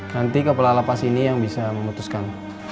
nanti kepala lapas ini yang bisa memutuskan